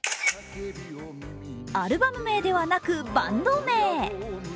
アルバム名ではなく、バンド名。